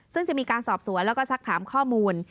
ซึ่งจะมีการสอบสวนแล้วก็สักถามข้อมูล